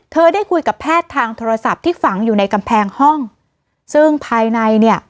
ได้คุยกับแพทย์ทางโทรศัพท์ที่ฝังอยู่ในกำแพงห้องซึ่งภายในเนี่ย